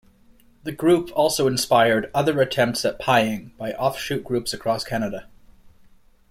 The group also inspired other attempts at pieing by offshoot groups across Canada.